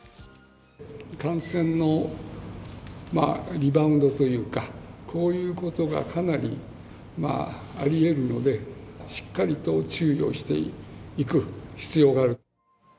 感染のリバウンドというか、こういうことがかなりありえるのでしっかりと注意をしていく必要がある。